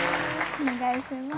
お願いします